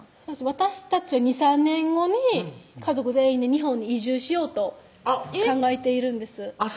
私たちは２３年後に家族全員で日本に移住しようと考えているんですあっ